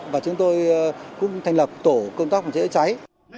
và chúng tôi cũng thành lập tổ công tác phòng cháy cháy